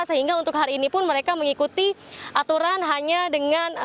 sehingga untuk hari ini pun mereka mengikuti aturan hanya dengan